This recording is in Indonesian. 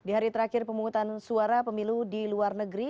di hari terakhir pemungutan suara pemilu di luar negeri